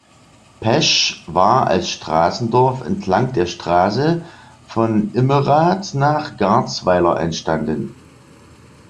Pesch war als Straßendorf entlang der Straße von Immerath nach Garzweiler entstanden.